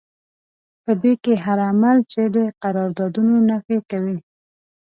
په دې کې هر عمل چې د قراردادونو نفي کوي.